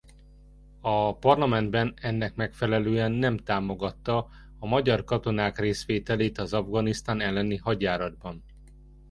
A parlamentben ennek megfelelően nem támogatta a magyar katonák részvételét az Afganisztán elleni hadjáratban.